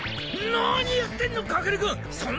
何やってんのカケルくん！